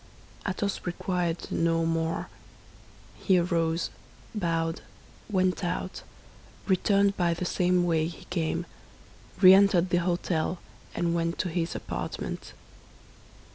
Athos required no more. He arose, bowed, went out, returned by the same way he came, re entered the hôtel, and went to his apartment.